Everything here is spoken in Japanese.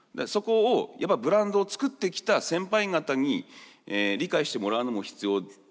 そこをブランドを作ってきた先輩方に理解してもらうのも必要。